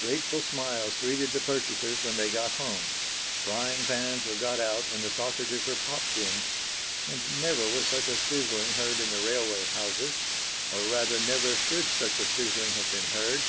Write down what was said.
Grateful smiles greeted the purchasers when they got home. Frying pans were got out and the sausages were popped in, and never was such a sizzling heard in the railway houses or rather never should such a sizzling have been heard.